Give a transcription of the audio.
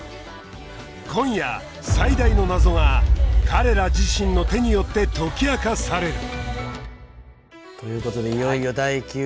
今夜最大の謎が彼ら自身の手によって解き明かされるという事でいよいよ第９話。